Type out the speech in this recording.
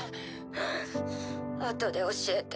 はぁあとで教えて。